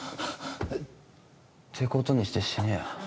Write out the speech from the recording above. うっ。ってことにして死ねよ。